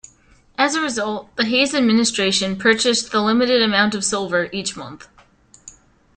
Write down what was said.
As a result, the Hayes administration purchased the limited amount of silver each month.